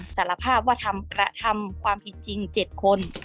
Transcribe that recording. สารภาพว่ากระทำความผิดจริง๗คน